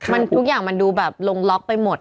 มันทุกอย่างมันดูแบบลงล็อกไปหมด